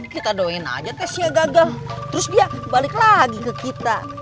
kita doain aja tesnya gagal terus dia balik lagi ke kita